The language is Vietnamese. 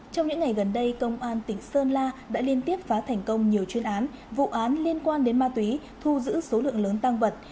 trong những ngày gần đây công an tỉnh sơn la đã liên tiếp phá thành công nhiều chuyên án vụ án liên quan đến ma túy thu giữ số lượng lớn tăng vật